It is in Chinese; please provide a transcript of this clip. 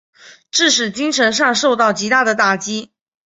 致使精神上受到极大的打击。